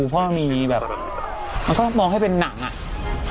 มันก็มีแบบมันก็มองให้เป็นหนัง